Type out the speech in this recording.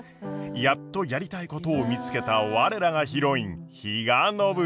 やっとやりたいことを見つけた我らがヒロイン比嘉暢子。